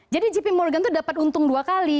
jadi jp morgan itu dapat untung dua kali